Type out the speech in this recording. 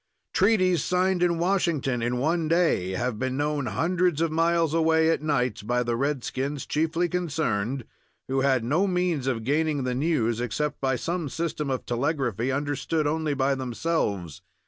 Treaties signed in Washington in one day have been known hundreds of miles away at night, by the redskins chiefly concerned, who had no means of gaining the news except by some system of telegraphy, understood only by themselves.